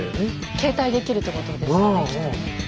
携帯できるってことですよねきっとね。